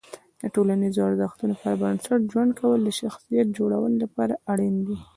د ټولنیزو ارزښتونو پر بنسټ ژوند کول د شخصیت جوړونې لپاره اړین دي.